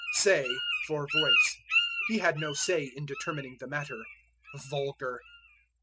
Say for Voice. "He had no say in determining the matter." Vulgar.